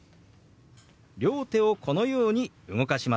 両手をこのように動かしますよ。